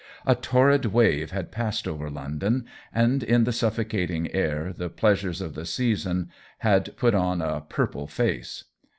A torrid wave had passed over London, and in the suffocating air the pleasures of the season had put on a purple face.